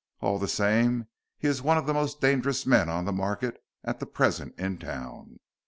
All the same he is one of the most dangerous men on the market at the present in town.